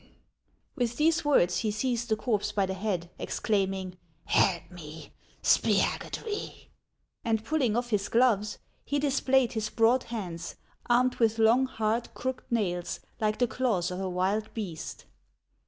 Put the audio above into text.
With these words he seized the corpse by the head, exclaiming :" Help me, Spiagudry !" And pulling off his gloves, he displayed his broad hands, armed with long, hard, crooked nails, like the claws of a wild beast.